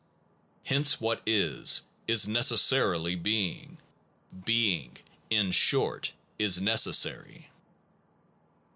Hence what is, is necessarily being being, in short, is neces sary.